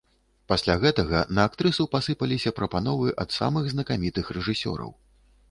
Пасля гэтага на актрысу пасыпаліся прапановы ад самых знакамітых рэжысёраў.